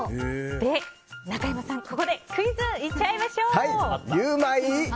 中山さん、ここでクイズいっちゃいましょう。